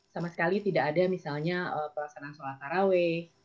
sama sekali tidak ada misalnya perasaan sholat parawe